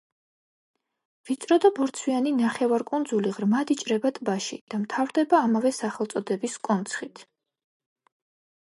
ვიწრო და ბორცვიანი ნახევარკუნძული ღრმად იჭრება ტბაში და მთავრდება ამავე სახელწოდების კონცხით.